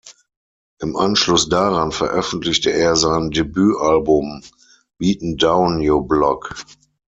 Im Anschluss daran veröffentlichte er sein Debütalbum "Beat’n Down Yo Block".